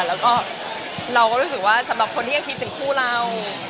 แล้วก็เราก็รู้สึกว่าสำหรับคนที่จะคิดถึงคู่เรา